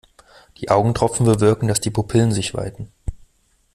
Die Augentropfen bewirken, dass die Pupillen sich weiten.